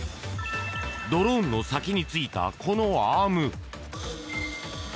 ドローンの先についたこのアーム。